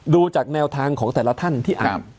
ดูจากแนวทางของแต่ละท่านที่อ่าน